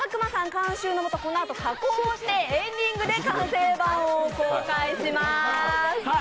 監修のもとこのあと加工してエンディングで完成版を公開します。